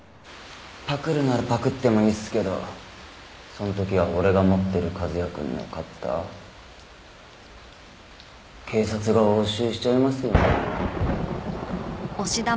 パクるならパクってもいいですけどその時は俺が持ってる和哉くんのカッター警察が押収しちゃいますよね。